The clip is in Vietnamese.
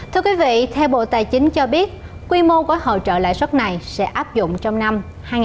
thưa quý vị theo bộ tài chính cho biết quy mô của hỗ trợ lãi suất này sẽ áp dụng trong năm hai nghìn hai mươi hai hai nghìn hai mươi ba